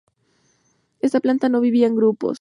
Esta planta no vivía en grupos.